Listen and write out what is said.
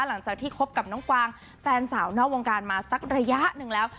หลังจากที่คบกับน้องกวางแฟนสาวนอกวงการมาสักระยะหนึ่งแล้ว